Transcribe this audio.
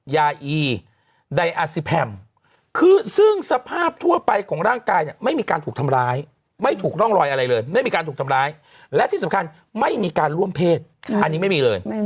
ยาอีไดอาซิแพมคือซึ่งสภาพทั่วไปของร่างกายเนี่ยไม่มีการถูกทำร้ายไม่ถูกร่องรอยอะไรเลยไม่มีการถูกทำร้ายและที่สำคัญไม่มีการร่วมเพศอันนี้ไม่มีเลย